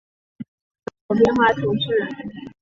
鲁勒河畔维雷人口变化图示